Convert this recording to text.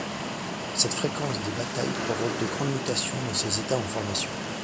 Cette fréquence des batailles provoque de grandes mutations dans ces États en formation.